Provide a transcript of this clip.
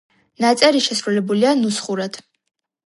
ნაწერი შესრულებულია ნუსხურად.